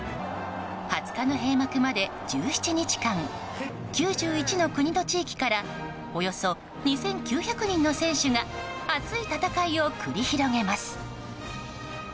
２０日の開幕まで１１日間９１の国と地域からおよそ２９００人の選手が熱い戦いを繰り広げます。